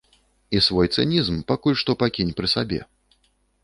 І свой цынізм пакуль што пакінь пры сабе.